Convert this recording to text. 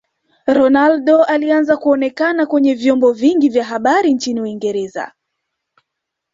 Ronaldo aliaanza kuonekana kwenye vyombo vingi vya habari nchini uingereza